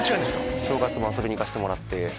お正月も遊びに行かせてもらって。